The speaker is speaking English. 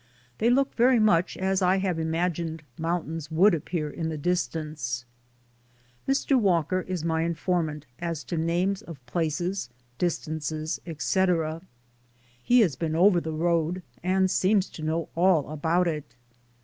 They look very much as I have imagined mountains would appear in the distance. Mr. Walker is my informant as to names of places, distances, etc. He has been over the road and seems to know all about it.